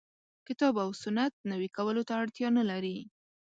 کتاب او سنت نوي کولو ته اړتیا نه لري.